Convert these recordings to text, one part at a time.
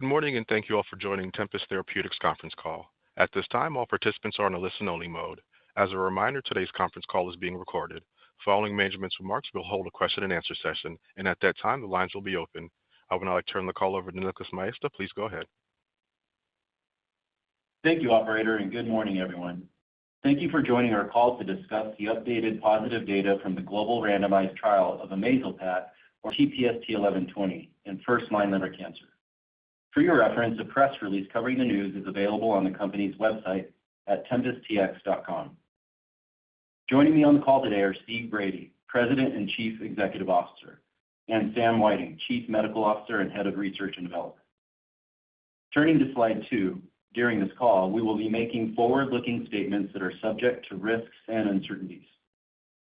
Good morning and thank you all for joining Tempest Therapeutics' conference call. At this time, all participants are in a listen-only mode. As a reminder, today's conference call is being recorded. Following management's remarks, we'll hold a question-and-answer session, and at that time, the lines will be open. I would now like to turn the call over to Nicholas Maestas. Please go ahead. Thank you, Operator, and good morning, everyone. Thank you for joining our call to discuss the updated positive data from the global randomized trial of amezalpat or TPST-1120 in first-line liver cancer. For your reference, a press release covering the news is available on the company's website at TempestTX.com. Joining me on the call today are Steve Brady, President and Chief Executive Officer, and Sam Whiting, Chief Medical Officer and Head of Research and Development. Turning to slide two, during this call, we will be making forward-looking statements that are subject to risks and uncertainties.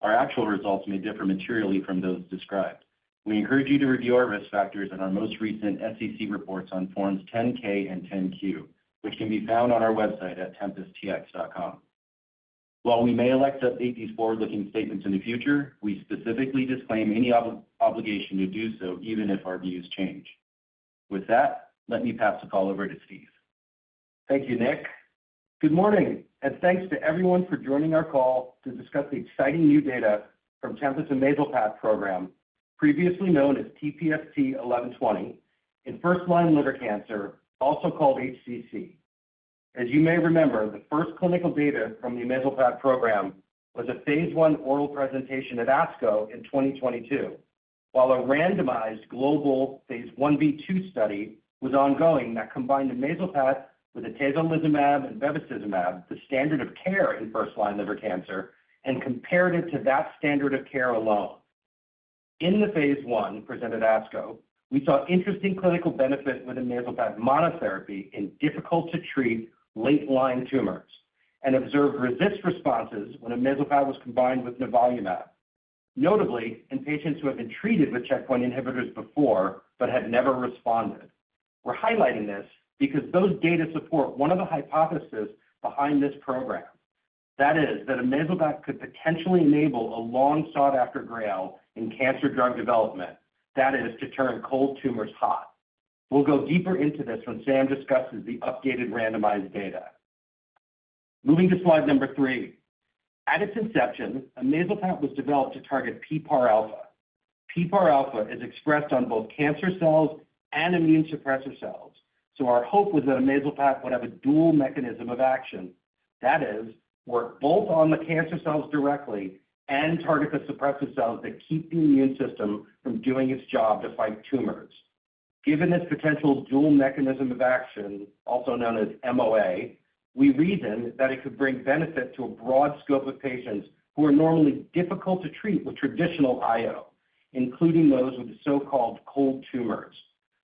Our actual results may differ materially from those described. We encourage you to review our risk factors in our most recent SEC reports on Forms 10-K and 10-Q, which can be found on our website at TempestTX.com. While we may elect to update these forward-looking statements in the future, we specifically disclaim any obligation to do so even if our views change. With that, let me pass the call over to Steve. Thank you, Nick. Good morning, and thanks to everyone for joining our call to discuss the exciting new data from Tempest's amezalpat program, previously known as TPST-1120, in first-line liver cancer, also called HCC. As you may remember, the first clinical data from the amezalpat program was a phase I oral presentation at ASCO in 2022, while a randomized global phase I-B2 study was ongoing that combined amezalpat with atezolizumab and bevacizumab, the standard of care in first-line liver cancer, and compared it to that standard of care alone. In the phase I presented at ASCO, we saw interesting clinical benefit with amezalpat monotherapy in difficult-to-treat late-line tumors and observed robust responses when amezalpat was combined with nivolumab, notably in patients who had been treated with checkpoint inhibitors before but had never responded. We're highlighting this because those data support one of the hypotheses behind this program, that is that amezalpat could potentially enable a long-sought-after grail in cancer drug development, that is, to turn cold tumors hot. We'll go deeper into this when Sam discusses the updated randomized data. Moving to slide number three. At its inception, amezalpat was developed to target PPAR-alpha. PPAR-alpha is expressed on both cancer cells and immune suppressor cells, so our hope was that amezalpat would have a dual mechanism of action, that is, work both on the cancer cells directly and target the suppressor cells that keep the immune system from doing its job to fight tumors. Given this potential dual mechanism of action, also known as MOA, we reasoned that it could bring benefit to a broad scope of patients who are normally difficult to treat with traditional IO, including those with the so-called cold tumors.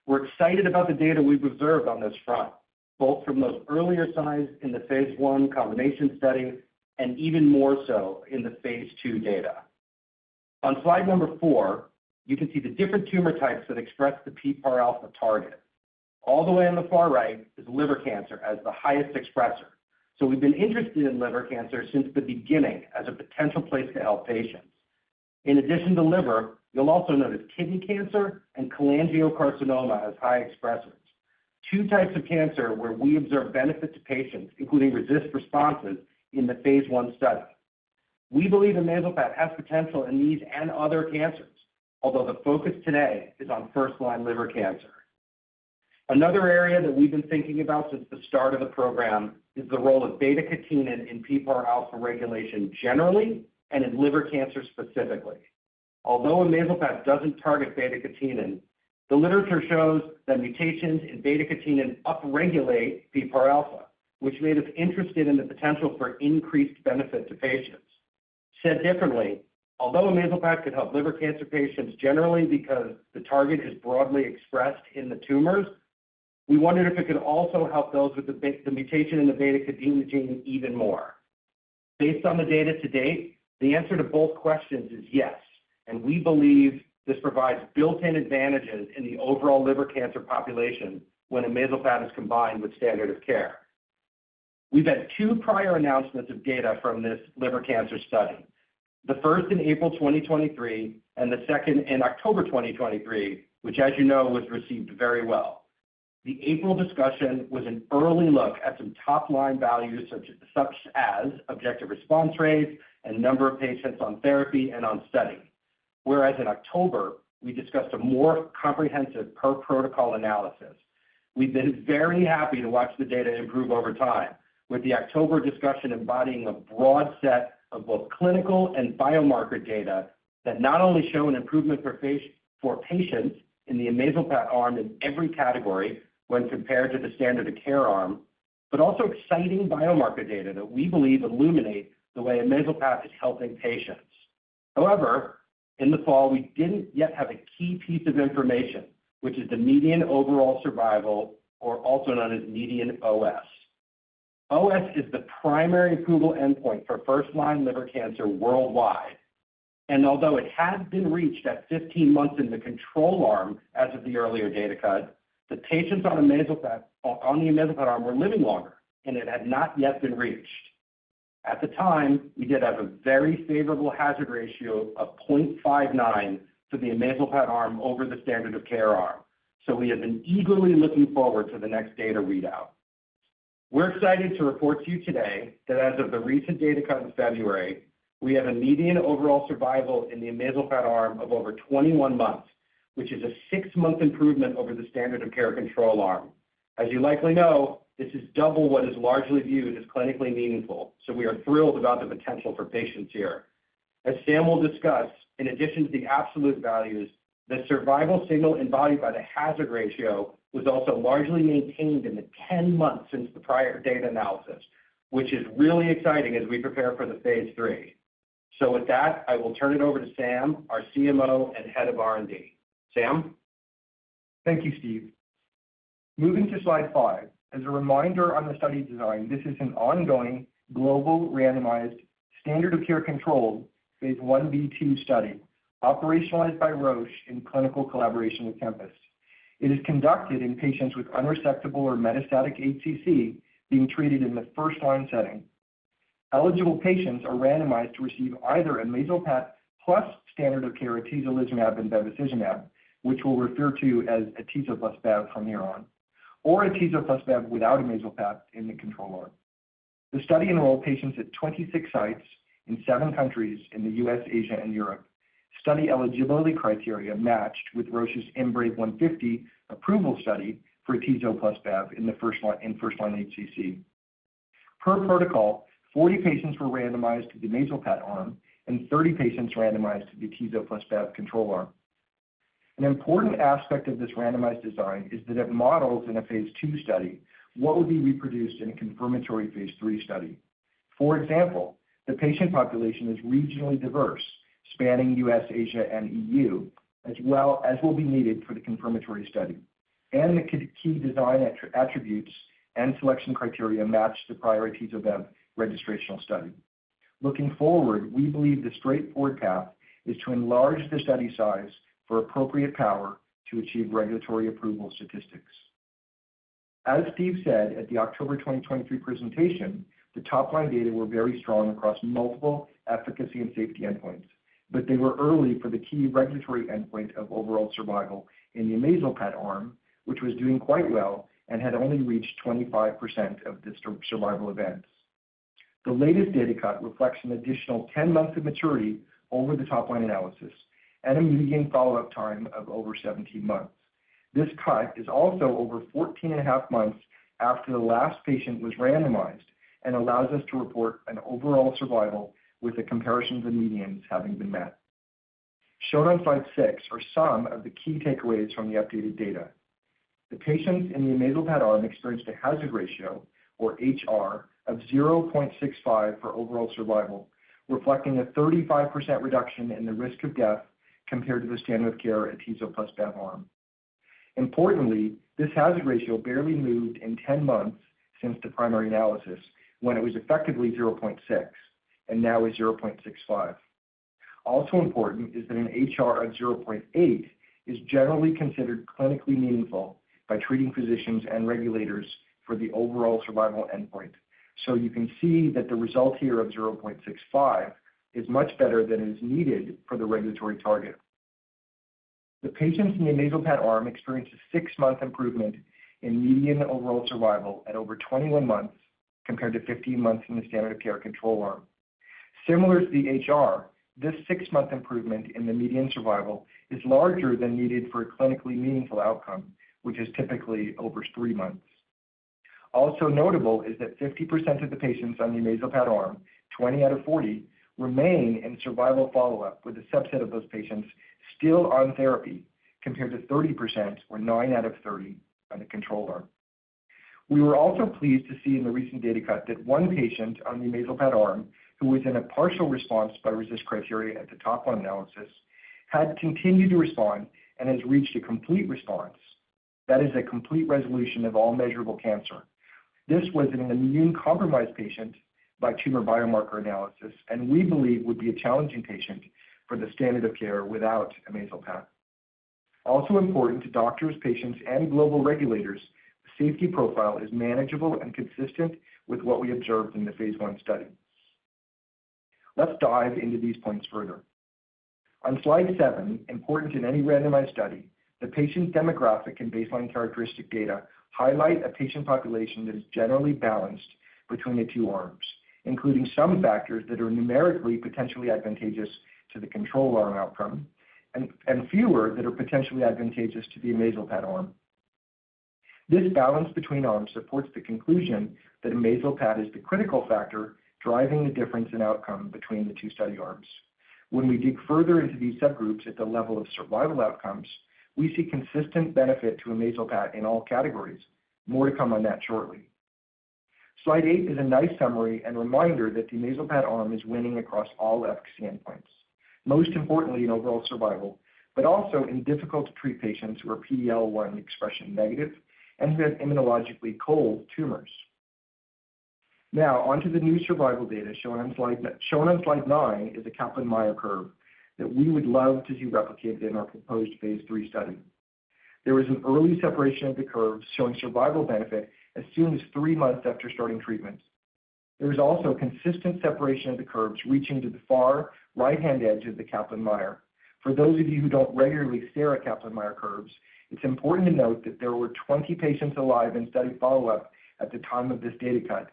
We're excited about the data we've observed on this front, both from those earlier slides in the phase I combination study and even more so in the phase II data. On slide four, you can see the different tumor types that express the PPAR-alpha target. All the way on the far right is liver cancer as the highest expressor, so we've been interested in liver cancer since the beginning as a potential place to help patients. In addition to liver, you'll also notice kidney cancer and cholangiocarcinoma as high expressors, two types of cancer where we observed benefit to patients, including durable responses, in the phase I study. We believe amezalpat has potential in these and other cancers, although the focus today is on first-line liver cancer. Another area that we've been thinking about since the start of the program is the role of beta-catenin in PPAR-alpha regulation generally and in liver cancer specifically. Although amezalpat doesn't target beta-catenin, the literature shows that mutations in beta-catenin upregulate PPAR-alpha, which made us interested in the potential for increased benefit to patients. Said differently, although amezalpat could help liver cancer patients generally because the target is broadly expressed in the tumors, we wondered if it could also help those with the mutation in the beta-catenin gene even more. Based on the data to date, the answer to both questions is yes, and we believe this provides built-in advantages in the overall liver cancer population when amezalpat is combined with standard of care. We've had two prior announcements of data from this liver cancer study, the first in April 2023 and the second in October 2023, which, as you know, was received very well. The April discussion was an early look at some top-line values such as objective response rates and number of patients on therapy and on study, whereas in October, we discussed a more comprehensive per protocol analysis. We've been very happy to watch the data improve over time, with the October discussion embodying a broad set of both clinical and biomarker data that not only show an improvement for patients in the amezalpat arm in every category when compared to the standard of care arm, but also exciting biomarker data that we believe illuminate the way amezalpat is helping patients. However, in the fall, we didn't yet have a key piece of information, which is the median overall survival, or also known as median OS. OS is the primary approval endpoint for first-line liver cancer worldwide, and although it had been reached at 15 months in the control arm as of the earlier data cut, the patients on the amezalpat arm were living longer, and it had not yet been reached. At the time, we did have a very favorable hazard ratio of 0.59 for the amezalpat arm over the standard of care arm, so we have been eagerly looking forward to the next data readout. We're excited to report to you today that as of the recent data cut in February, we have a median overall survival in the amezalpat arm of over 21 months, which is a six-month improvement over the standard of care control arm. As you likely know, this is double what is largely viewed as clinically meaningful, so we are thrilled about the potential for patients here. As Sam will discuss, in addition to the absolute values, the survival signal embodied by the hazard ratio was also largely maintained in the 10 months since the prior data analysis, which is really exciting as we prepare for the phase III. So with that, I will turn it over to Sam, our CMO and Head of R&D. Sam? Thank you, Steve. Moving to slide five, as a reminder on the study design, this is an ongoing global randomized standard of care control phase I-B2 study operationalized by Roche in clinical collaboration with Tempest. It is conducted in patients with unresectable or metastatic HCC being treated in the first-line setting. Eligible patients are randomized to receive either amezalpat plus standard of care atezolizumab and bevacizumab, which we'll refer to as atezo plus bev from here on, or atezo plus bev without amezalpat in the control arm. The study enrolled patients at 26 sites in seven countries in the U.S., Asia, and Europe. Study eligibility criteria matched with Roche's IMbrave150 approval study for atezo plus bev in first-line HCC. Per protocol, 40 patients were randomized to the amezalpat arm and 30 patients randomized to the atezo plus bev control arm. An important aspect of this randomized design is that it models, in a phase II study, what would be reproduced in a confirmatory phase III study. For example, the patient population is regionally diverse, spanning U.S., Asia, and EU, as well as will be needed for the confirmatory study, and the key design attributes and selection criteria match the prior atezo/bev registrational study. Looking forward, we believe the straightforward path is to enlarge the study size for appropriate power to achieve regulatory approval statistics. As Steve said at the October 2023 presentation, the top-line data were very strong across multiple efficacy and safety endpoints, but they were early for the key regulatory endpoint of overall survival in the amezalpat arm, which was doing quite well and had only reached 25% of the survival events. The latest data cut reflects an additional 10 months of maturity over the top-line analysis and a median follow-up time of over 17 months. This cut is also over 14.5 months after the last patient was randomized and allows us to report an overall survival with the comparisons of medians having been met. Shown on slide six are some of the key takeaways from the updated data. The patients in the amezalpat arm experienced a hazard ratio, or HR, of 0.65 for overall survival, reflecting a 35% reduction in the risk of death compared to the standard of care atezo plus bev arm. Importantly, this hazard ratio barely moved in 10 months since the primary analysis when it was effectively 0.6 and now is 0.65. Also important is that an HR of 0.8 is generally considered clinically meaningful by treating physicians and regulators for the overall survival endpoint, so you can see that the result here of 0.65 is much better than is needed for the regulatory target. The patients in the amezalpat arm experienced a six-month improvement in median overall survival at over 21 months compared to 15 months in the standard of care control arm. Similar to the HR, this six-month improvement in the median survival is larger than needed for a clinically meaningful outcome, which is typically over three months. Also notable is that 50% of the patients on the amezalpat arm, 20 out of 40, remain in survival follow-up with a subset of those patients still on therapy compared to 30%, or 9 out of 30, on the control arm. We were also pleased to see in the recent data cut that one patient on the amezalpat arm who was in a partial response by RECIST criteria at the top-line analysis had continued to respond and has reached a complete response, that is, a complete resolution of all measurable cancer. This was an immunocompromised patient by tumor biomarker analysis, and we believe would be a challenging patient for the standard of care without amezalpat. Also important to doctors, patients, and global regulators, the safety profile is manageable and consistent with what we observed in the phase I study. Let's dive into these points further. On slide seven, important in any randomized study, the patient demographic and baseline characteristic data highlight a patient population that is generally balanced between the two arms, including some factors that are numerically potentially advantageous to the control arm outcome and fewer that are potentially advantageous to the amezalpat arm. This balance between arms supports the conclusion that amezalpat is the critical factor driving the difference in outcome between the two study arms. When we dig further into these subgroups at the level of survival outcomes, we see consistent benefit to amezalpat in all categories. More to come on that shortly. Slide eight is a nice summary and reminder that the amezalpat arm is winning across all efficacy endpoints, most importantly in overall survival, but also in difficult-to-treat patients who are PD-L1 expression negative and who have immunologically cold tumors. Now, onto the new survival data shown on slide nine is a Kaplan-Meier curve that we would love to see replicated in our proposed phase III study. There was an early separation of the curves showing survival benefit as soon as three months after starting treatment. There was also consistent separation of the curves reaching to the far right-hand edge of the Kaplan-Meier. For those of you who don't regularly stare at Kaplan-Meier curves, it's important to note that there were 20 patients alive in study follow-up at the time of this data cut.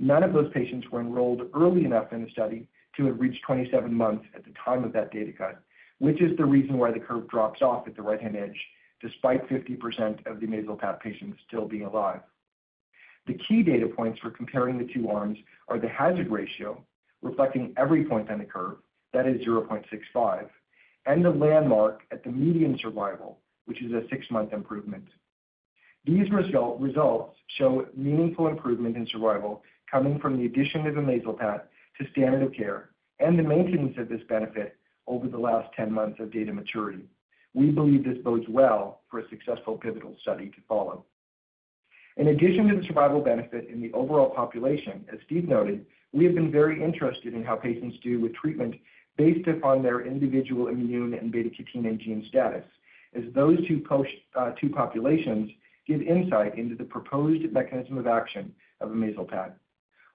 None of those patients were enrolled early enough in the study to have reached 27 months at the time of that data cut, which is the reason why the curve drops off at the right-hand edge despite 50% of the amezalpat patients still being alive. The key data points for comparing the two arms are the hazard ratio, reflecting every point on the curve, that is 0.65, and the landmark at the median survival, which is a six-month improvement. These results show meaningful improvement in survival coming from the addition of amezalpat to standard of care and the maintenance of this benefit over the last 10 months of data maturity. We believe this bodes well for a successful pivotal study to follow. In addition to the survival benefit in the overall population, as Steve noted, we have been very interested in how patients do with treatment based upon their individual immune and beta-catenin gene status, as those two populations give insight into the proposed mechanism of action of amezalpat.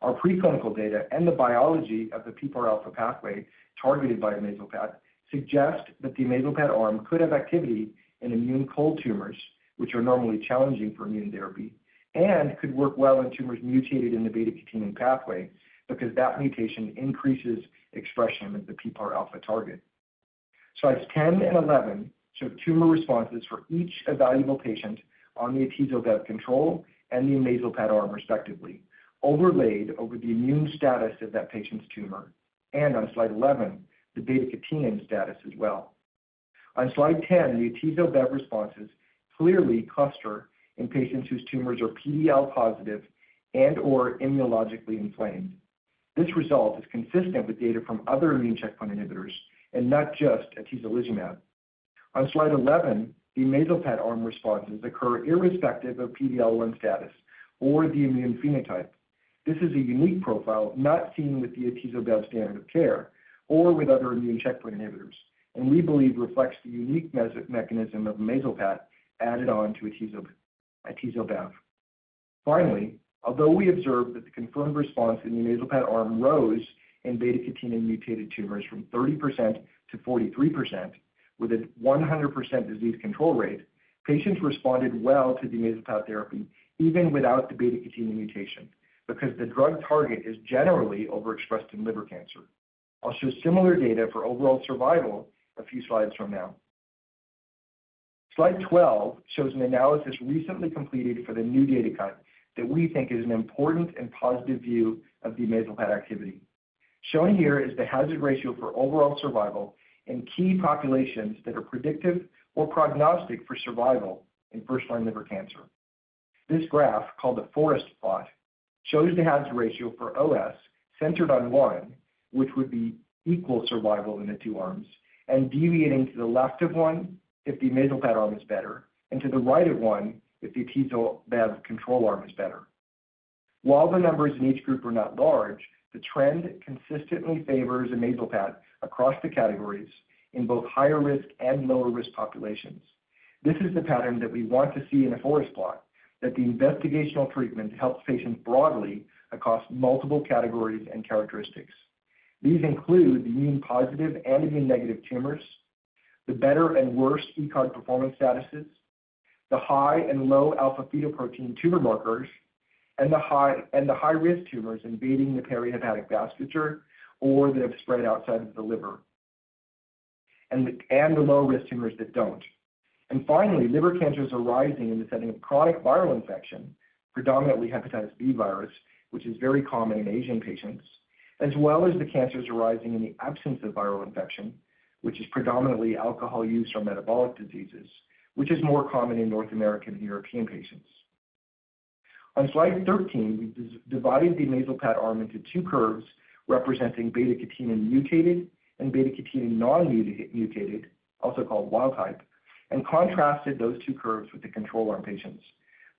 Our pre-clinical data and the biology of the PPAR-alpha pathway targeted by amezalpat suggest that the amezalpat arm could have activity in immune cold tumors, which are normally challenging for immune therapy, and could work well in tumors mutated in the beta-catenin pathway because that mutation increases expression of the PPAR-alpha target. Slides 10 and 11 show tumor responses for each evaluable patient on the atezo/bev control and the amezalpat arm, respectively, overlaid over the immune status of that patient's tumor, and on slide 11, the beta-catenin status as well. On slide 10, the atezo/bev responses clearly cluster in patients whose tumors are PD-L1 positive and/or immunologically inflamed. This result is consistent with data from other immune checkpoint inhibitors and not just atezolizumab. On slide 11, the amezalpat arm responses occur irrespective of PD-L1 status or the immune phenotype. This is a unique profile not seen with the atezo/bev standard of care or with other immune checkpoint inhibitors, and we believe reflects the unique mechanism of amezalpat added on to atezo/bev. Finally, although we observed that the confirmed response in the amezalpat arm rose in beta-catenin mutated tumors from 30%-43% with a 100% disease control rate, patients responded well to the amezalpat therapy even without the beta-catenin mutation because the drug target is generally overexpressed in liver cancer. I'll show similar data for overall survival a few slides from now. Slide 12 shows an analysis recently completed for the new data cut that we think is an important and positive view of the amezalpat activity. Shown here is the hazard ratio for overall survival in key populations that are predictive or prognostic for survival in first-line liver cancer. This graph, called a forest plot, shows the hazard ratio for OS centered on one, which would be equal survival in the two arms, and deviating to the left of one if the amezalpat arm is better, and to the right of one if the atezo/bev control arm is better. While the numbers in each group are not large, the trend consistently favors amezalpat across the categories in both higher risk and lower risk populations. This is the pattern that we want to see in a forest plot, that the investigational treatment helps patients broadly across multiple categories and characteristics. These include the immune-positive and immune-negative tumors, the better and worse ECOG performance statuses, the high and low alpha-fetoprotein tumor markers, and the high-risk tumors invading the perihepatic vasculature or that have spread outside of the liver, and the low-risk tumors that don't. And finally, liver cancers are rising in the setting of chronic viral infection, predominantly hepatitis B virus, which is very common in Asian patients, as well as the cancers arising in the absence of viral infection, which is predominantly alcohol use or metabolic diseases, which is more common in North American and European patients. On slide 13, we divided the amezalpat arm into two curves representing beta-catenin mutated and beta-catenin non-mutated, also called wild type, and contrasted those two curves with the control arm patients.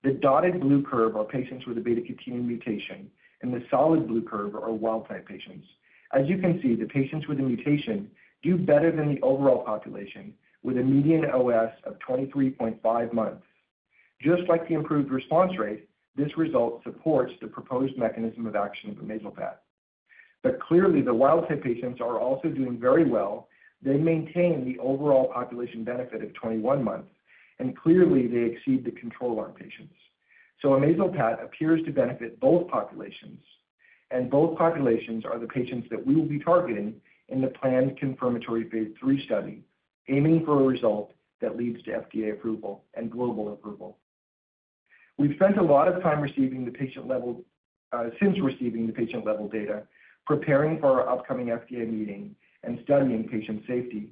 The dotted blue curve are patients with a beta-catenin mutation, and the solid blue curve are wild type patients. As you can see, the patients with the mutation do better than the overall population with a median OS of 23.5 months. Just like the improved response rate, this result supports the proposed mechanism of action of amezalpat. But clearly, the wild type patients are also doing very well. They maintain the overall population benefit of 21 months, and clearly, they exceed the control arm patients. So amezalpat appears to benefit both populations, and both populations are the patients that we will be targeting in the planned confirmatory phase III study, aiming for a result that leads to FDA approval and global approval. We've spent a lot of time receiving the patient-level data since receiving the patient-level data, preparing for our upcoming FDA meeting, and studying patient safety.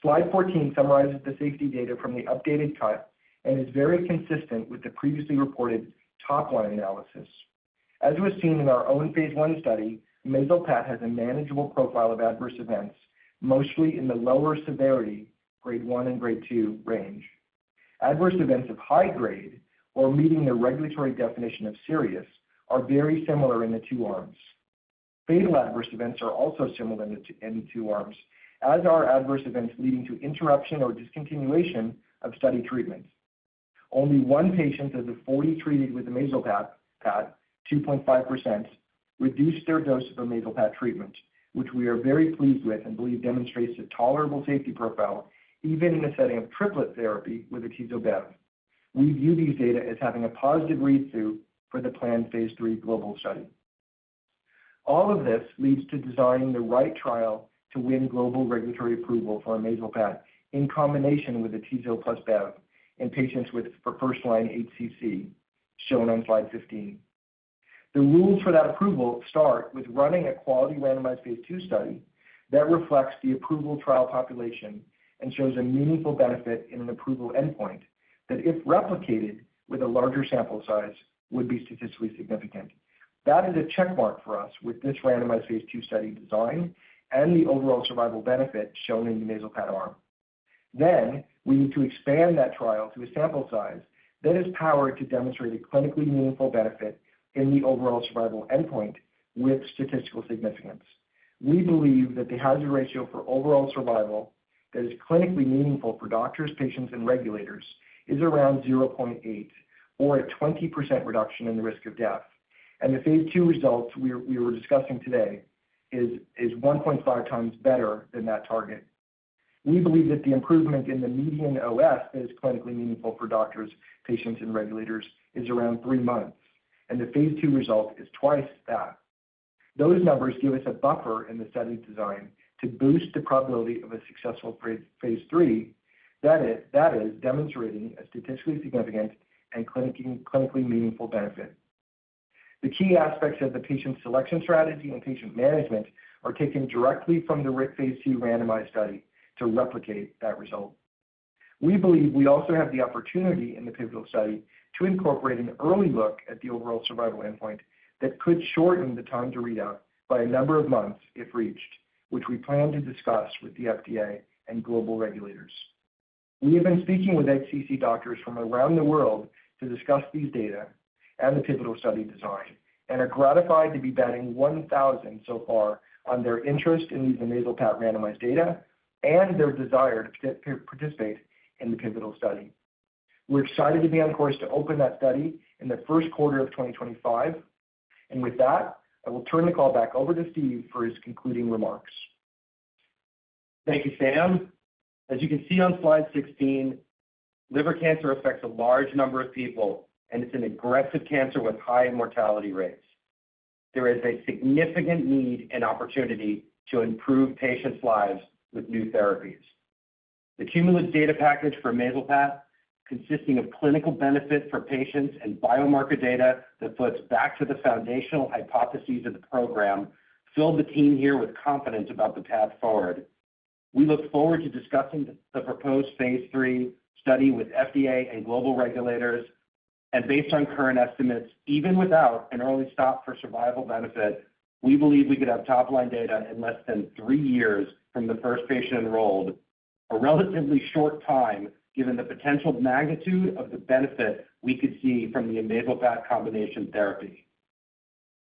Slide 14 summarizes the safety data from the updated cut and is very consistent with the previously reported top-line analysis. As was seen in our own phase I study, amezalpat has a manageable profile of adverse events, mostly in the lower severity, Grade 1 and Grade 2 range. Adverse events of high grade, or meeting the regulatory definition of serious, are very similar in the two arms. Fatal adverse events are also similar in the two arms, as are adverse events leading to interruption or discontinuation of study treatment. Only one patient of the 40 treated with amezalpat, 2.5%, reduced their dose of amezalpat treatment, which we are very pleased with and believe demonstrates a tolerable safety profile even in the setting of triplet therapy with atezo/bev. We view these data as having a positive read-through for the planned phase III global study. All of this leads to designing the right trial to win global regulatory approval for amezalpat in combination with atezo plus bev in patients with first-line HCC, shown on slide 15. The rules for that approval start with running a quality randomized phase II study that reflects the approval trial population and shows a meaningful benefit in an approval endpoint that, if replicated with a larger sample size, would be statistically significant. That is a checkmark for us with this randomized phase II study design and the overall survival benefit shown in the amezalpat arm. Then, we need to expand that trial to a sample size that is powered to demonstrate a clinically meaningful benefit in the overall survival endpoint with statistical significance. We believe that the hazard ratio for overall survival that is clinically meaningful for doctors, patients, and regulators is around 0.8, or a 20% reduction in the risk of death. And the phase II results we were discussing today is 1.5x better than that target. We believe that the improvement in the median OS that is clinically meaningful for doctors, patients, and regulators is around three months, and the phase II result is twice that. Those numbers give us a buffer in the study design to boost the probability of a successful phase III, that is, demonstrating a statistically significant and clinically meaningful benefit. The key aspects of the patient selection strategy and patient management are taken directly from the phase II randomized study to replicate that result. We believe we also have the opportunity in the pivotal study to incorporate an early look at the overall survival endpoint that could shorten the time to readout by a number of months if reached, which we plan to discuss with the FDA and global regulators. We have been speaking with HCC doctors from around the world to discuss these data and the pivotal study design and are gratified to be batting 1,000 so far on their interest in these amezalpat randomized data and their desire to participate in the pivotal study. We're excited to be on course to open that study in the first quarter of 2025. And with that, I will turn the call back over to Steve for his concluding remarks. Thank you, Sam. As you can see on slide 16, liver cancer affects a large number of people, and it's an aggressive cancer with high mortality rates. There is a significant need and opportunity to improve patients' lives with new therapies. The cumulative data package for amezalpat, consisting of clinical benefit for patients and biomarker data that flips back to the foundational hypotheses of the program, filled the team here with confidence about the path forward. We look forward to discussing the proposed phase III study with FDA and global regulators. And based on current estimates, even without an early stop for survival benefit, we believe we could have top-line data in less than three years from the first patient enrolled, a relatively short time given the potential magnitude of the benefit we could see from the amezalpat combination therapy.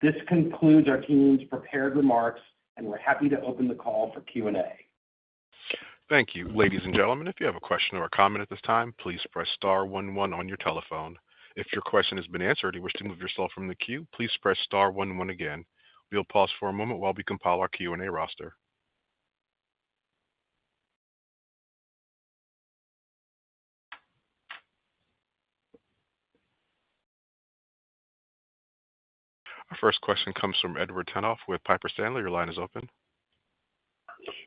This concludes our team's prepared remarks, and we're happy to open the call for Q&A. Thank you. Ladies and gentlemen, if you have a question or a comment at this time, please press star one one on your telephone. If your question has been answered and you wish to move yourself from the queue, please press star one one again. We'll pause for a moment while we compile our Q&A roster. Our first question comes from Edward Tenthoff with Piper Sandler. Your line is open.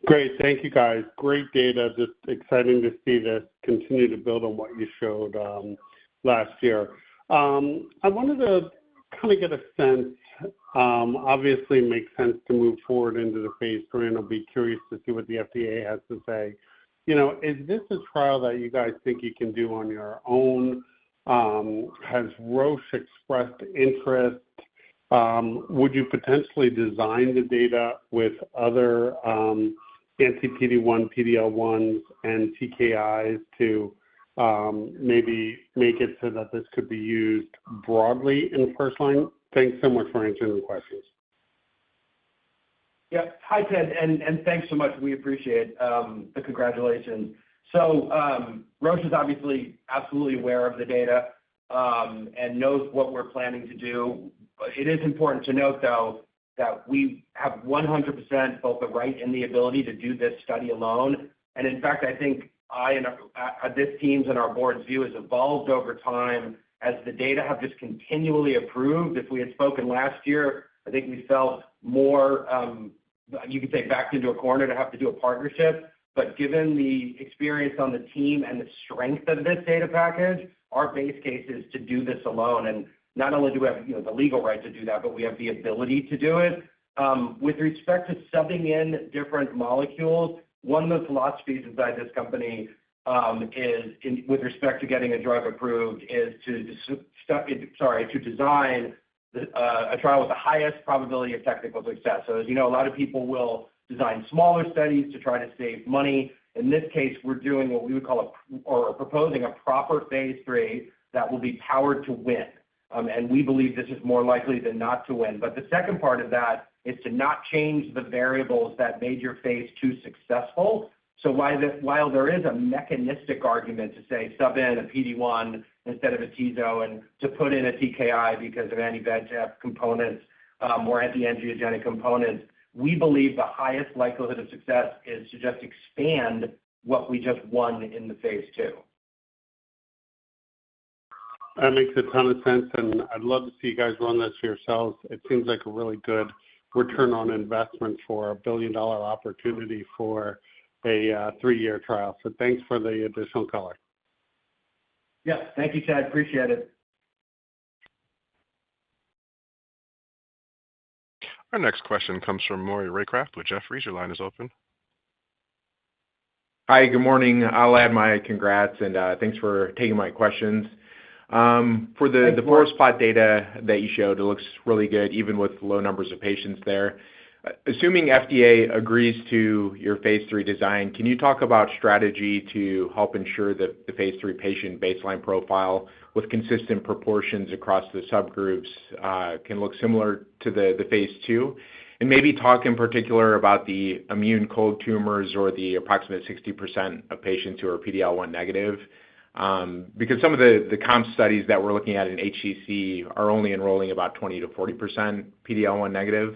Great. Thank you, guys. Great data. Just exciting to see this continue to build on what you showed last year. I wanted to kind of get a sense, obviously it makes sense to move forward into the phase III and I'll be curious to see what the FDA has to say. Is this a trial that you guys think you can do on your own? Has Roche expressed interest? Would you potentially design the data with other anti-PD-1, PD-L1s, and TKIs to maybe make it so that this could be used broadly in first line? Thanks so much for answering the questions. Yep. Hi, Ted. And thanks so much. We appreciate the congratulations. So Roche is obviously absolutely aware of the data and knows what we're planning to do. It is important to note, though, that we have 100% both the right and the ability to do this study alone. And in fact, I think this team's and our board's view has evolved over time as the data have just continually improved. If we had spoken last year, I think we felt more, you could say, backed into a corner to have to do a partnership. But given the experience on the team and the strength of this data package, our base case is to do this alone. And not only do we have the legal right to do that, but we have the ability to do it. With respect to subbing in different molecules, one of the philosophies inside this company is, with respect to getting a drug approved, is to design a trial with the highest probability of technical success. So as you know, a lot of people will design smaller studies to try to save money. In this case, we're doing what we would call or proposing a proper phase III that will be powered to win. And we believe this is more likely than not to win. But the second part of that is to not change the variables that made your phase II successful. So while there is a mechanistic argument to say sub in a PD-1 instead of atezo and to put in a TKI because of anti-VEGF components or anti-angiogenic components, we believe the highest likelihood of success is to just expand what we just won in the phase II. That makes a ton of sense, and I'd love to see you guys run this yourselves. It seems like a really good return on investment for $1 billion opportunity for a three-year trial. So thanks for the additional color. Yep. Thank you, Ted. Appreciate it. Our next question comes from Maury Raycroft with Jefferies. Your line is open. Hi, good morning. I'll add my congrats and thanks for taking my questions. For the forest plot data that you showed, it looks really good even with low numbers of patients there. Assuming FDA agrees to your phase III design, can you talk about strategy to help ensure that the phase III patient baseline profile with consistent proportions across the subgroups can look similar to the phase II? Maybe talk in particular about the immune cold tumors or the approximate 60% of patients who are PD-L1 negative, because some of the comp studies that we're looking at in HCC are only enrolling about 20%-40% PD-L1 negative.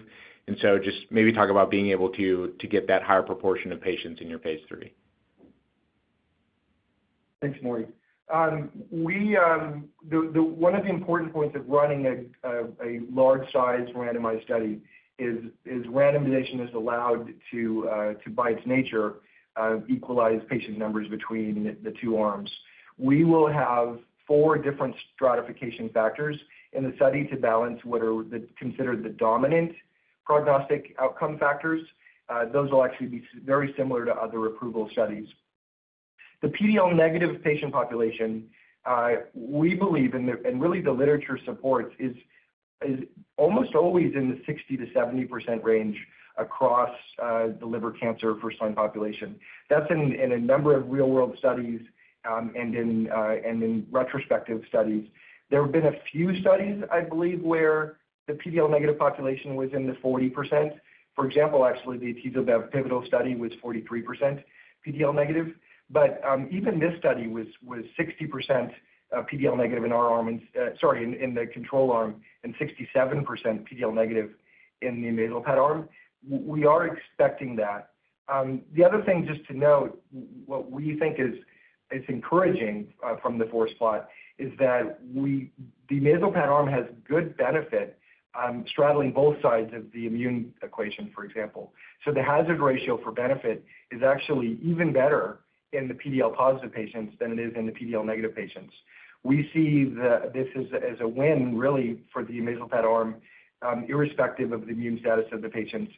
So just maybe talk about being able to get that higher proportion of patients in your phase III. Thanks, Maury. One of the important points of running a large-sized randomized study is randomization is allowed to, by its nature, equalize patient numbers between the two arms. We will have four different stratification factors in the study to balance what are considered the dominant prognostic outcome factors. Those will actually be very similar to other approval studies. The PD-L1 negative patient population, we believe, and really the literature supports, is almost always in the 60%-70% range across the liver cancer first-line population. That's in a number of real-world studies and in retrospective studies. There have been a few studies, I believe, where the PD-L1 negative population was in the 40%. For example, actually, the atezo pivotal study was 43% PD-L1 negative. But even this study was 60% PD-L1 negative in our arm, sorry, in the control arm, and 67% PD-L1 negative in the amezalpat arm. We are expecting that. The other thing just to note, what we think is encouraging from the forest plot is that the amezalpat arm has good benefit straddling both sides of the immune equation, for example. So the hazard ratio for benefit is actually even better in the PD-L1 positive patients than it is in the PD-L1 negative patients. We see this as a win, really, for the amezalpat arm, irrespective of the immune status of the patients.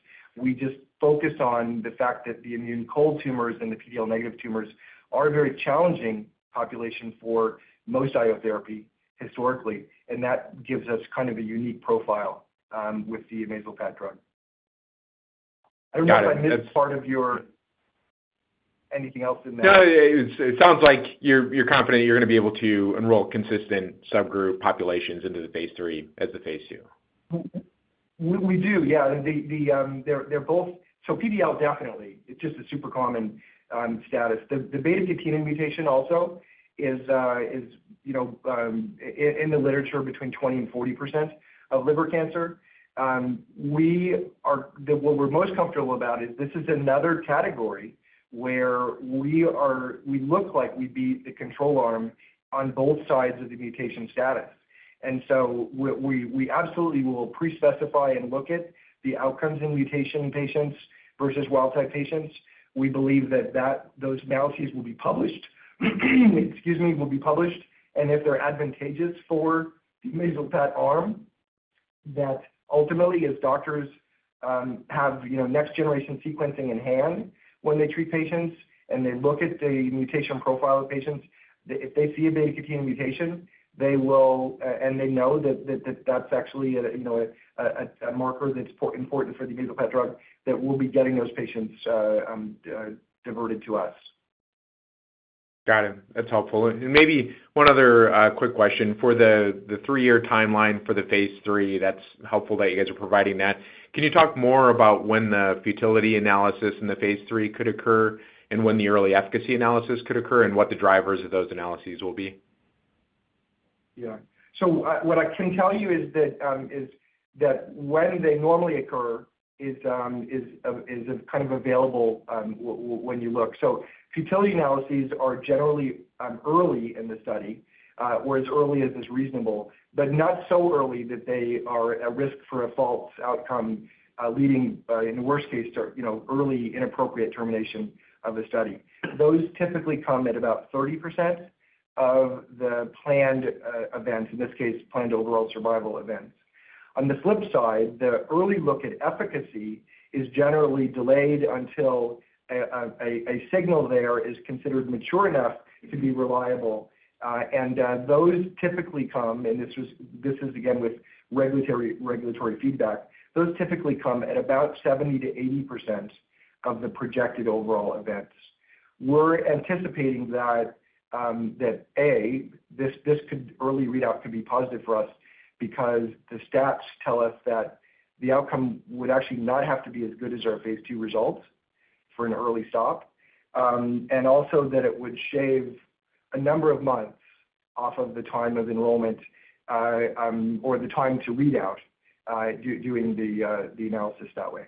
We just focus on the fact that the immune cold tumors and the PD-L negative tumors are a very challenging population for most IO therapy historically. And that gives us kind of a unique profile with the amezalpat drug. I don't know if I missed part of your anything else in that. No, it sounds like you're confident you're going to be able to enroll consistent subgroup populations into the phase III as the phase II. We do, yeah. So PD-L definitely. It's just a super common status. The beta-catenin mutation also is in the literature between 20% and 40% of liver cancer. What we're most comfortable about is this is another category where we look like we beat the control arm on both sides of the mutation status. And so we absolutely will pre-specify and look at the outcomes in mutation patients versus wild-type patients. We believe that those analyses will be published, excuse me, will be published. If they're advantageous for the amezalpat arm, that ultimately, as doctors have next-generation sequencing in hand when they treat patients and they look at the mutation profile of patients, if they see a beta-catenin mutation, they will, and they know that that's actually a marker that's important for the amezalpat drug that will be getting those patients diverted to us. Got it. That's helpful. Maybe one other quick question. For the three-year timeline for the phase III, that's helpful that you guys are providing that. Can you talk more about when the futility analysis in the phase III could occur and when the early efficacy analysis could occur and what the drivers of those analyses will be? Yeah. So what I can tell you is that when they normally occur is kind of available when you look. Futility analyses are generally early in the study, or as early as is reasonable, but not so early that they are at risk for a false outcome leading, in the worst case, to early inappropriate termination of the study. Those typically come at about 30% of the planned events, in this case, planned overall survival events. On the flip side, the early look at efficacy is generally delayed until a signal there is considered mature enough to be reliable. Those typically come, and this is again with regulatory feedback, those typically come at about 70%-80% of the projected overall events. We're anticipating that, A, this early readout could be positive for us because the stats tell us that the outcome would actually not have to be as good as our phase II results for an early stop, and also that it would shave a number of months off of the time of enrollment or the time to readout doing the analysis that way.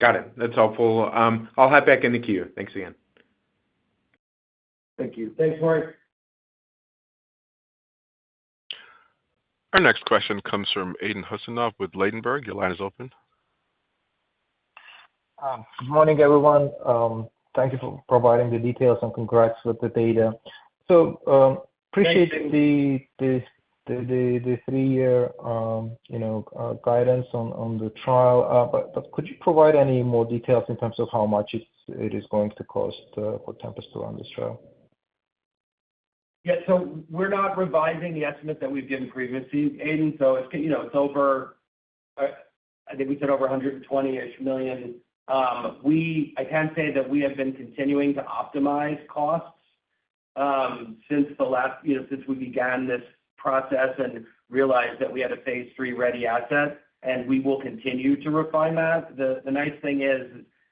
Got it. That's helpful. I'll hop back in the queue. Thanks again. Thank you. Thanks, Maury. Our next question comes from Aydin Huseynov with Ladenburg. Your line is open. Good morning, everyone. Thank you for providing the details and congrats with the data. So appreciate the three-year guidance on the trial. But could you provide any more details in terms of how much it is going to cost for Tempest to run this trial? Yeah. So we're not revising the estimate that we've given previously. Aydin, so it's over $120 million-ish. I think we said. I can say that we have been continuing to optimize costs since we began this process and realized that we had a phase III ready asset, and we will continue to refine that. The nice thing is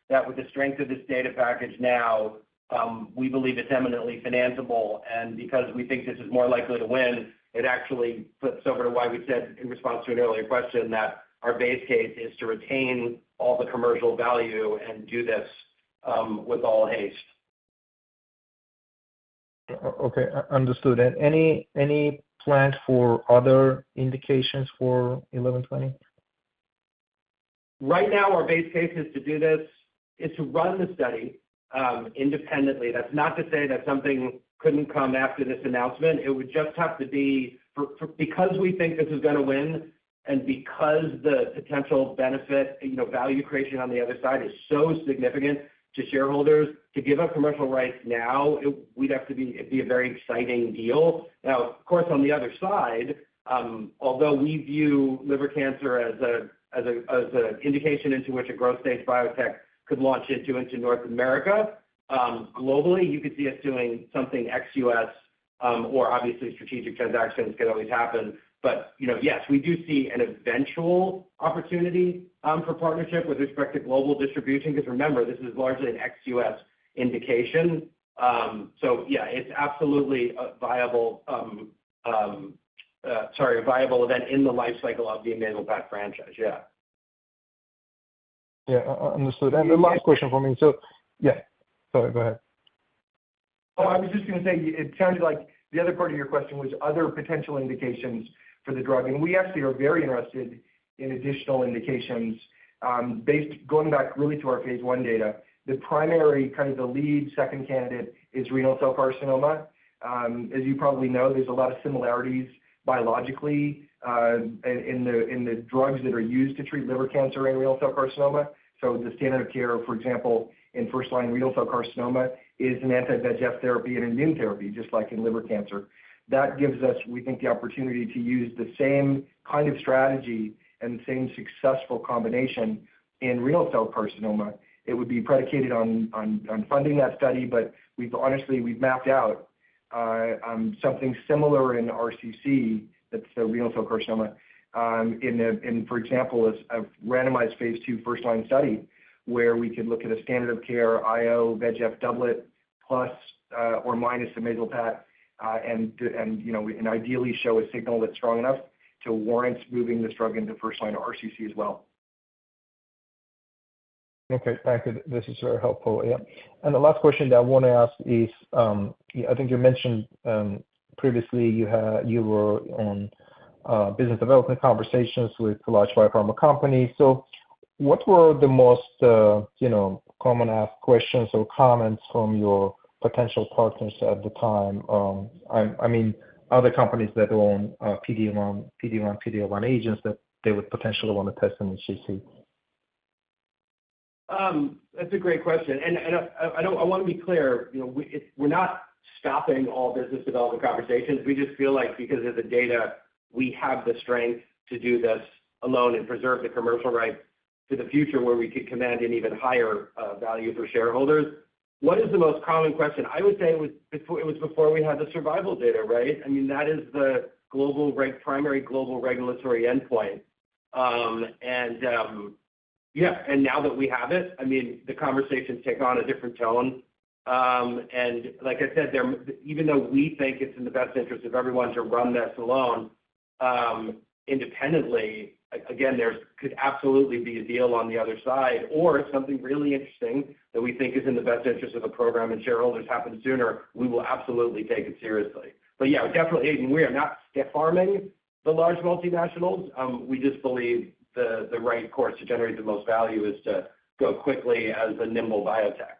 that with the strength of this data package now, we believe it's eminently financeable. And because we think this is more likely to win, it actually flips over to why we said, in response to an earlier question, that our base case is to retain all the commercial value and do this with all haste. Okay. Understood. Any plans for other indications for 1120? Right now, our base case is to do this, is to run the study independently. That's not to say that something couldn't come after this announcement. It would just have to be because we think this is going to win and because the potential benefit, value creation on the other side is so significant to shareholders, to give up commercial rights now, we'd have to be a very exciting deal. Now, of course, on the other side, although we view liver cancer as an indication into which a growth-stage biotech could launch into North America, globally, you could see us doing something ex-U.S. or obviously strategic transactions could always happen. But yes, we do see an eventual opportunity for partnership with respect to global distribution because remember, this is largely an ex-U.S. indication. So yeah, it's absolutely a viable event in the lifecycle of the amezalpat franchise. Yeah. Yeah. Understood. And the last question for me. So yeah. Sorry, go ahead. Oh, I was just going to say it sounded like the other part of your question was other potential indications for the drug. We actually are very interested in additional indications based going back really to our phase I data. The primary kind of the lead second candidate is renal cell carcinoma. As you probably know, there's a lot of similarities biologically in the drugs that are used to treat liver cancer and renal cell carcinoma. So the standard of care, for example, in first-line renal cell carcinoma is an anti-VEGF therapy and immune therapy, just like in liver cancer. That gives us, we think, the opportunity to use the same kind of strategy and same successful combination in renal cell carcinoma. It would be predicated on funding that study, but honestly, we've mapped out something similar in RCC that's the renal cell carcinoma in, for example, a randomized phase II first-line study where we could look at a standard of care IO VEGF doublet plus or minus amezalpat and ideally show a signal that's strong enough to warrant moving this drug into first-line RCC as well. Okay. Thank you. This is very helpful. Yeah. And the last question that I want to ask is, I think you mentioned previously you were on business development conversations with large biopharma companies. So what were the most common asked questions or comments from your potential partners at the time? I mean, other companies that were on PD-L1, PD-L1, PD-L1 agents that they would potentially want to test in HCC? That's a great question. And I want to be clear. We're not stopping all business development conversations. We just feel like because of the data, we have the strength to do this alone and preserve the commercial rights to the future where we could command an even higher value for shareholders. What is the most common question? I would say it was before we had the survival data, right? I mean, that is the primary global regulatory endpoint. And yeah, and now that we have it, I mean, the conversations take on a different tone. And like I said, even though we think it's in the best interest of everyone to run this alone independently, again, there could absolutely be a deal on the other side. Or if something really interesting that we think is in the best interest of the program and shareholders happens sooner, we will absolutely take it seriously. But yeah, definitely, Aydin, we are not stiff-arming the large multinationals. We just believe the right course to generate the most value is to go quickly as a nimble biotech.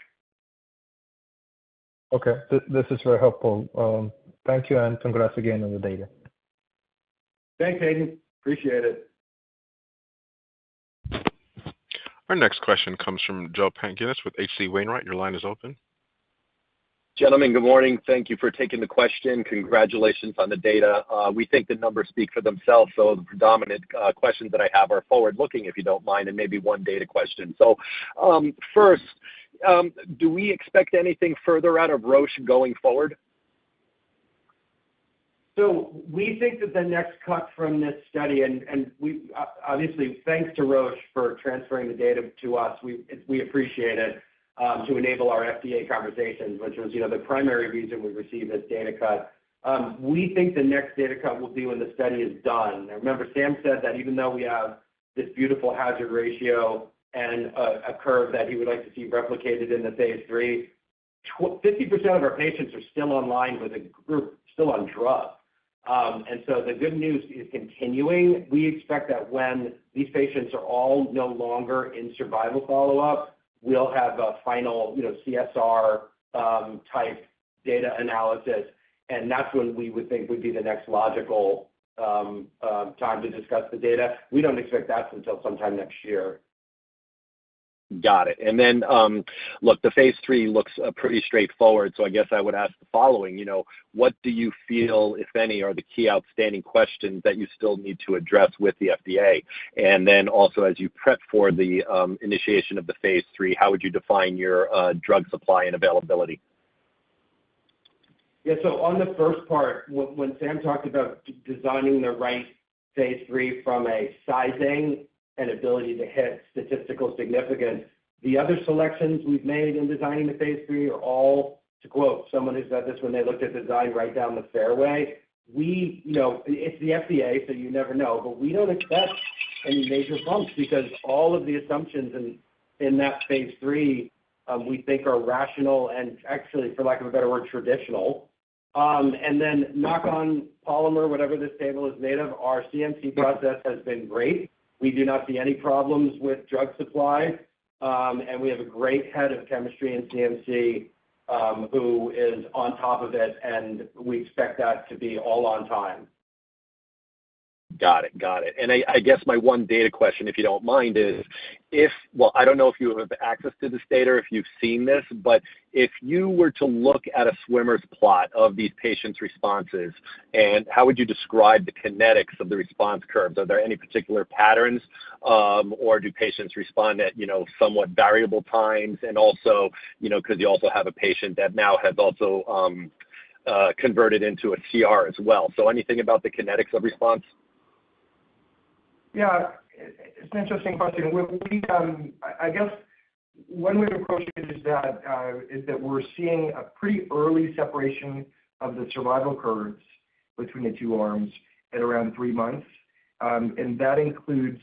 Okay. This is very helpful. Thank you and congrats again on the data. Thanks, Aydin. Appreciate it. Our next question comes from Joe Pantginis with H.C. Wainwright. Your line is open. Gentlemen, good morning. Thank you for taking the question. Congratulations on the data. We think the numbers speak for themselves. So the predominant questions that I have are forward-looking, if you don't mind, and maybe one data question. So first, do we expect anything further out of Roche going forward? So we think that the next cut from this study, and obviously, thanks to Roche for transferring the data to us. We appreciate it to enable our FDA conversations, which was the primary reason we received this data cut. We think the next data cut will be when the study is done. Remember, Sam said that even though we have this beautiful hazard ratio and a curve that he would like to see replicated in the phase III, 50% of our patients are still online with a group still on drug. So the good news is continuing. We expect that when these patients are all no longer in survival follow-up, we'll have a final CSR-type data analysis. That's when we would think would be the next logical time to discuss the data. We don't expect that until sometime next year. Got it. Then, look, the phase III looks pretty straightforward. So I guess I would ask the following. What do you feel, if any, are the key outstanding questions that you still need to address with the FDA? And then also, as you prep for the initiation of the phase III, how would you define your drug supply and availability? Yeah. So on the first part, when Sam talked about designing the right phase III from a sizing and ability to hit statistical significance, the other selections we've made in designing the phase III are all, to quote someone who said this when they looked at design right down the fairway, it's the FDA, so you never know. But we don't expect any major bumps because all of the assumptions in that phase III we think are rational and actually, for lack of a better word, traditional. And then knock on wood, whatever this table is made of, our CMC process has been great. We do not see any problems with drug supply. And we have a great head of chemistry in CMC who is on top of it, and we expect that to be all on time. Got it. Got it. And I guess my one data question, if you don't mind, is, well, I don't know if you have access to this data or if you've seen this, but if you were to look at a swimmer's plot of these patients' responses, how would you describe the kinetics of the response curves? Are there any particular patterns, or do patients respond at somewhat variable times? And also because you also have a patient that now has also converted into a CR as well. So anything about the kinetics of response? Yeah. It's an interesting question. I guess when we've approached it is that we're seeing a pretty early separation of the survival curves between the two arms at around three months. That includes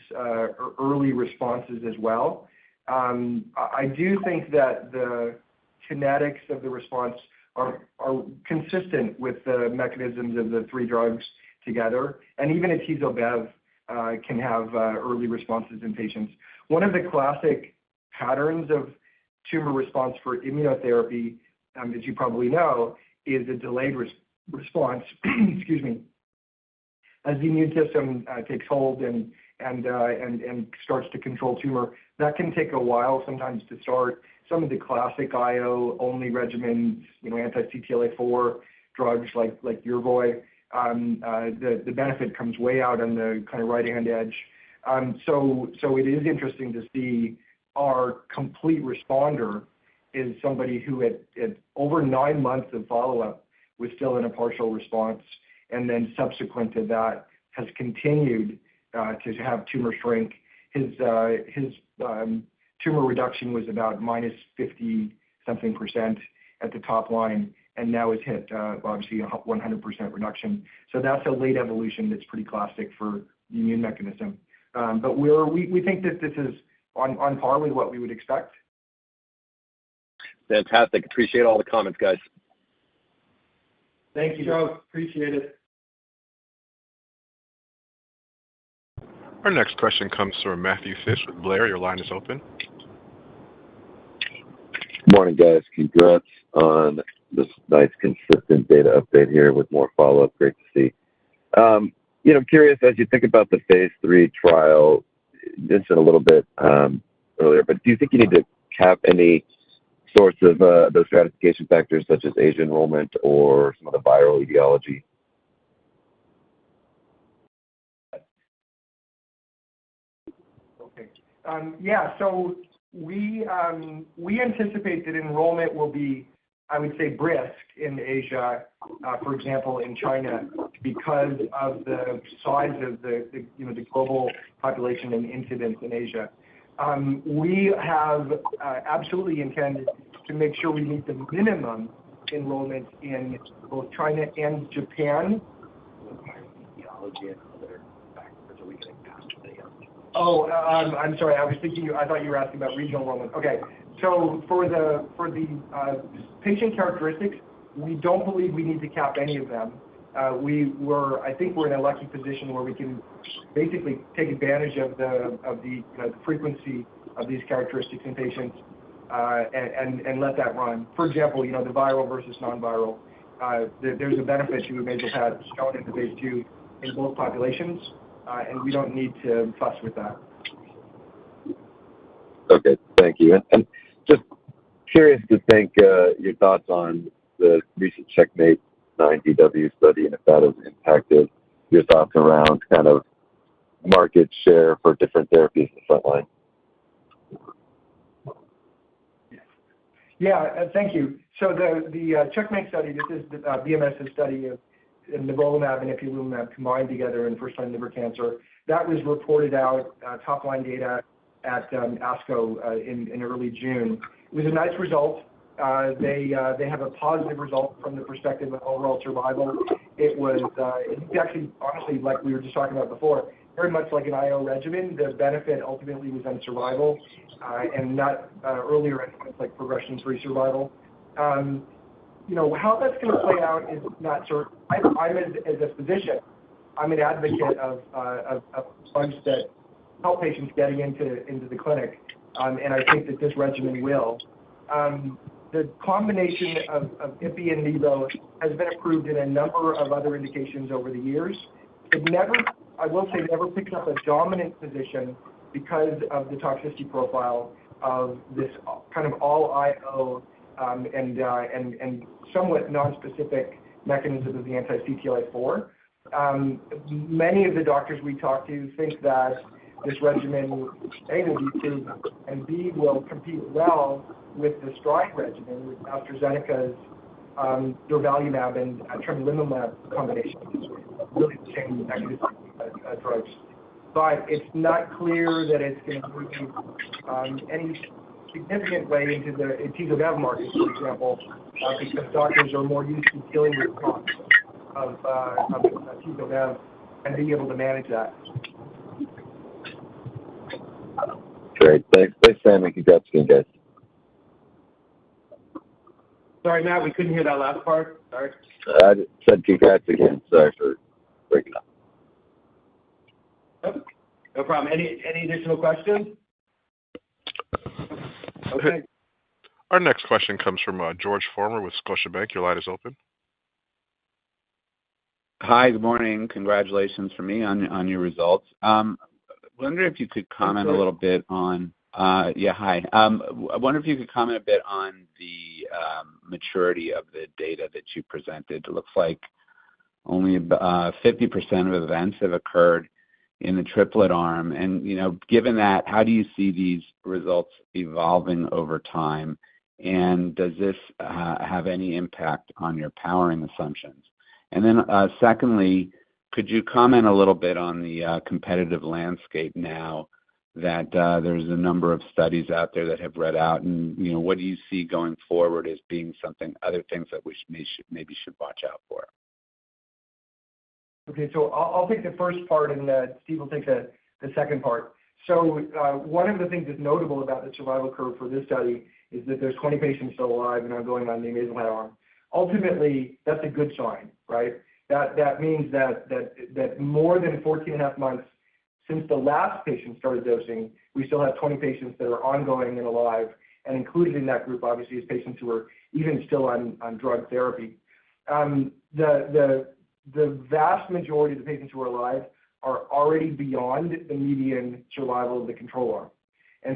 early responses as well. I do think that the kinetics of the response are consistent with the mechanisms of the three drugs together. And even if he's above, can have early responses in patients. One of the classic patterns of tumor response for immunotherapy, as you probably know, is a delayed response. Excuse me. As the immune system takes hold and starts to control tumor, that can take a while sometimes to start. Some of the classic IO-only regimens, anti-CTLA-4 drugs like Yervoy, the benefit comes way out on the kind of right-hand edge. So it is interesting to see our complete responder is somebody who at over nine months of follow-up was still in a partial response, and then subsequent to that has continued to have tumor shrink. His tumor reduction was about -50% something at the top line, and now has hit, obviously, a 100% reduction. So that's a late evolution that's pretty classic for the immune mechanism. But we think that this is on par with what we would expect. Fantastic. Appreciate all the comments, guys. Thank you, Joe. Appreciate it. Our next question comes from Matt Phipps with William Blair. Your line is open. Morning, guys. Congrats on this nice consistent data update here with more follow-up. Great to see. I'm curious, as you think about the phase III trial, you mentioned a little bit earlier, but do you think you need to have any sorts of those stratification factors such as age enrollment or some of the viral etiology? Okay. Yeah. So we anticipate that enrollment will be, I would say, brisk in Asia, for example, in China because of the size of the global population and incidence in Asia. We have absolutely intended to make sure we meet the minimum enrollment in both China and Japan. Environmental etiology and other factors. Are we getting past any of them? Oh, I'm sorry. I was thinking, I thought you were asking about regional enrollment. Okay. So for the patient characteristics, we don't believe we need to cap any of them. I think we're in a lucky position where we can basically take advantage of the frequency of these characteristics in patients and let that run. For example, the viral versus non-viral. There's a benefit to amezalpat shown in the phase II in both populations, and we don't need to fuss with that. Okay. Thank you. And just curious to think your thoughts on the recent CheckMate 9DW study and if that has impacted your thoughts around kind of market share for different therapies in the front-line. Yeah. Thank you. So the CheckMate study, this is the BMS's study of nivolumab and ipilimumab combined together in first-line liver cancer. That was reported out top-line data at ASCO in early June. It was a nice result. They have a positive result from the perspective of overall survival. It was actually, honestly, like we were just talking about before, very much like an IO regimen. The benefit ultimately was on survival and not earlier endpoints like progression-free survival. How that's going to play out is not certain. As a physician, I'm an advocate of funds that help patients getting into the clinic, and I think that this regimen will. The combination of ipi and nivo has been approved in a number of other indications over the years. I will say it never picked up a dominant position because of the toxicity profile of this kind of all IO and somewhat non-specific mechanism of the anti-CTLA4. Many of the doctors we talked to think that this regimen, A, will be approved and B, will compete well with the STRIDE regimen with AstraZeneca's durvalumab and tremelimumab combination. It's really the same exactly as the drugs. But it's not clear that it's going to move any significant way into the atezo/bev market, for example, because doctors are more used to dealing with costs of atezo/bev and being able to manage that. Great. Thanks, Sam. And congrats again, guys. Sorry, Matt. We couldn't hear that last part. Sorry. I said congrats again. Sorry for breaking up. No problem. Any additional questions? Okay. Our next question comes from George Farmer with Scotiabank. Your line is open. Hi. Good morning. Congratulations from me on your results. I wonder if you could comment a bit on the maturity of the data that you presented. It looks like only 50% of events have occurred in the triplet arm. And given that, how do you see these results evolving over time? And does this have any impact on your powering assumptions? And then secondly, could you comment a little bit on the competitive landscape now that there's a number of studies out there that have read out? And what do you see going forward as being some other things that we maybe should watch out for? Okay. So I'll take the first part, and Steve will take the second part. One of the things that's notable about the survival curve for this study is that there's 20 patients still alive and ongoing on the amezalpat arm. Ultimately, that's a good sign, right? That means that more than 14.5 months since the last patient started dosing, we still have 20 patients that are ongoing and alive. Included in that group, obviously, is patients who are even still on drug therapy. The vast majority of the patients who are alive are already beyond the median survival of the control arm.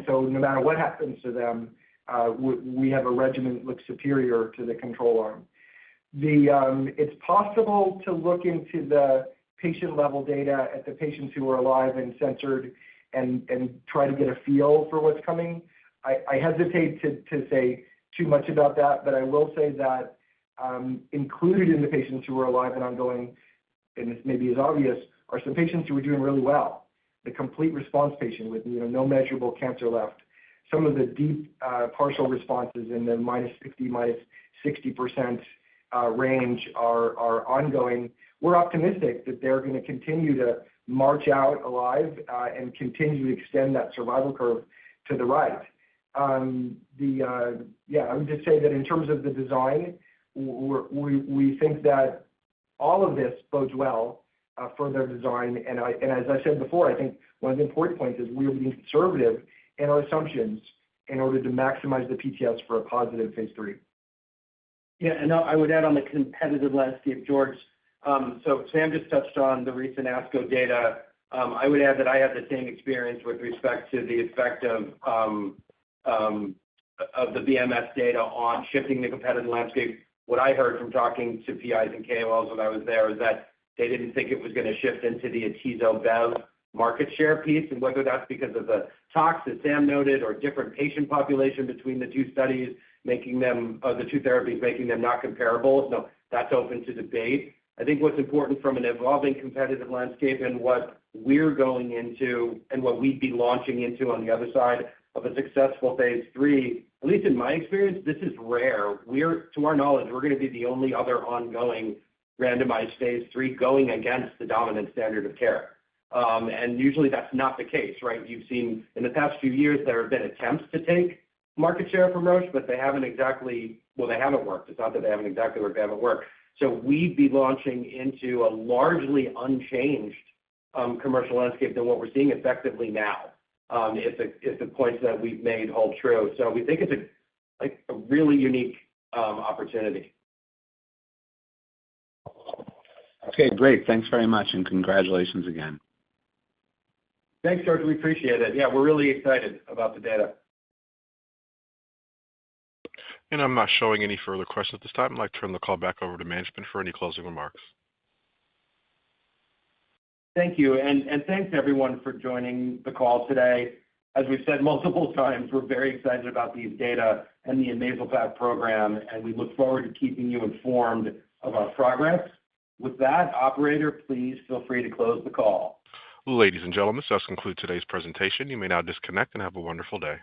So no matter what happens to them, we have a regimen that looks superior to the control arm. It's possible to look into the patient-level data at the patients who are alive and censored and try to get a feel for what's coming. I hesitate to say too much about that, but I will say that included in the patients who are alive and ongoing, and this may be as obvious, are some patients who are doing really well. The complete response patient with no measurable cancer left. Some of the deep partial responses in the -50% to -60% range are ongoing. We're optimistic that they're going to continue to march out alive and continue to extend that survival curve to the right. Yeah. I would just say that in terms of the design, we think that all of this bodes well for their design. And as I said before, I think one of the important points is we're being conservative in our assumptions in order to maximize the PTS for a positive phase III. Yeah. And I would add on the competitive landscape, George. So Sam just touched on the recent ASCO data. I would add that I have the same experience with respect to the effect of the BMS data on shifting the competitive landscape. What I heard from talking to PIs and KOLs when I was there is that they didn't think it was going to shift into the atezo/bev market share piece. And whether that's because of the tox that Sam noted or different patient population between the two studies, the two therapies making them not comparable, that's open to debate. I think what's important from an evolving competitive landscape and what we're going into and what we'd be launching into on the other side of a successful phase III, at least in my experience, this is rare. To our knowledge, we're going to be the only other ongoing randomized phase III going against the dominant standard of care. Usually, that's not the case, right? You've seen in the past few years, there have been attempts to take market share from Roche, but they haven't exactly, well, they haven't worked. It's not that they haven't exactly worked. They haven't worked. So we'd be launching into a largely unchanged commercial landscape than what we're seeing effectively now if the points that we've made hold true. So we think it's a really unique opportunity. Okay. Great. Thanks very much. And congratulations again. Thanks, George. We appreciate it. Yeah. We're really excited about the data. And I'm not showing any further questions at this time. I'd like to turn the call back over to management for any closing remarks. Thank you. And thanks, everyone, for joining the call today. As we've said multiple times, we're very excited about these data and the amezalpat program, and we look forward to keeping you informed of our progress. With that, operator, please feel free to close the call. Ladies and gentlemen, this does conclude today's presentation. You may now disconnect and have a wonderful day.